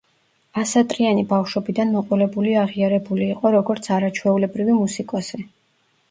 ასატრიანი ბავშვობიდან მოყოლებული აღიარებული იყო როგორც არაჩვეულებრივი მუსიკოსი.